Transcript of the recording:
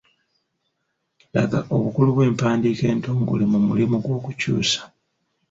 Laga obukulu bw’empandiika entongole mu mulimu gw’okukyusa.